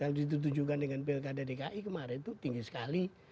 kalau ditunjukkan dengan pilkada dki kemarin itu tinggi sekali